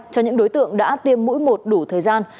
cho những đối tượng đã tiêm mũi một đủ thời gian